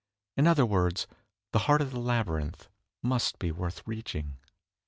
In other words the heart of the labyrinth must be worth reaching."